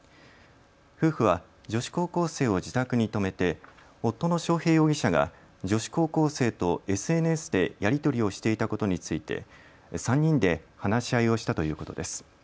夫婦は女子高校生を自宅に泊めて夫の章平容疑者が女子高校生とＳＮＳでやり取りをしていたことについて３人で話し合いをしたということです。